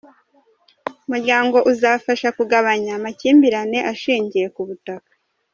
Umuryango uzafasha kugabanya amakimbirane ashingiye ku butaka